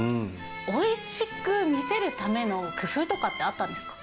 おいしく見せるための工夫とかってあったんですか？